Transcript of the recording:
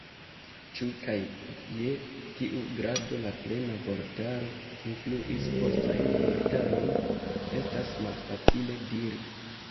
Ĉu kaj je kiu grado la "Plena Vortaro" influis postajn vortarojn, estas malfacile diri.